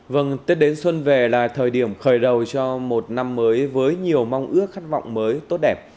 vâng tết đến xuân về là thời điểm khởi đầu cho một năm mới với nhiều mong ước khát vọng mới tốt đẹp